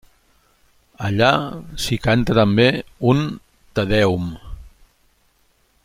Allà s'hi canta també un tedèum.